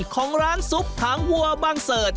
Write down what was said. ของร้านซุปหางวัวบางเสิร์ช